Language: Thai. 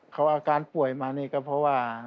เขาอาการป่วยมานี่ก็เพราะว่า